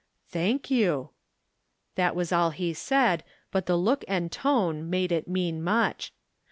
" Thank you." That was all he said, but the look and tone made it mean much.